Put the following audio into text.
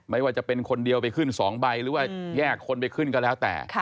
ไม่ว่าจะเป็นคนเดียวไปขึ้น๒ใบหรือว่าแยกคนไปขึ้นก็แล้วแต่